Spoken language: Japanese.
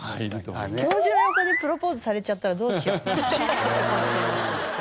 教授の横でプロポーズされちゃったらどうしよう。